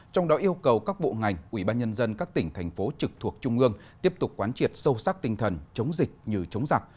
trong đó yêu cầu các bộ ngành ủy ban nhân dân các tỉnh thành phố trực thuộc trung ương tiếp tục quán triệt sâu sắc tinh thần chống dịch như chống giặc